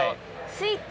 スイッチ？